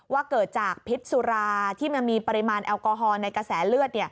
ว่าเกิดจากพิษสุราที่มันมีปริมาณแอลกอฮอลในกระแสเลือด